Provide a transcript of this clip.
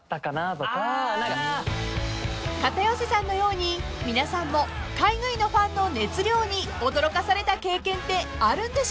［片寄さんのように皆さんも海外のファンの熱量に驚かされた経験ってあるんでしょうか？］